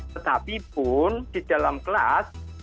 tetapi pun di dalam kelas